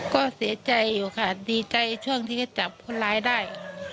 ก็เสียใจอยู่ค่ะดีใจช่วงที่ก็จับคนร้ายได้